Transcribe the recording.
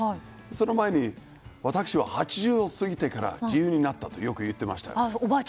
その前に私は８０を過ぎてから自由になったとよく言っていました。